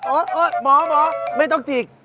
โอ๋หมอไม่ต้องจีบ